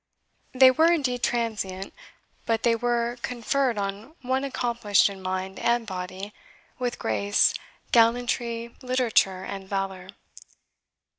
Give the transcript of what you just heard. They were indeed transient, but they were conferred on one accomplished in mind and body, with grace, gallantry, literature, and valour.